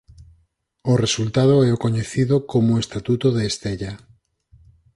O resultado é o coñecido como Estatuto de Estella.